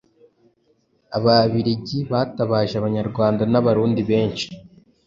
Ababiligi bitabaje Abanyarwanda n'Abarundi benshi